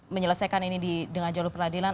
menyelesaikan ini dengan jalur peradilan